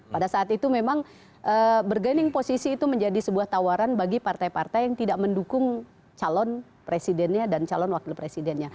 pada saat itu memang bergaining posisi itu menjadi sebuah tawaran bagi partai partai yang tidak mendukung calon presidennya dan calon wakil presidennya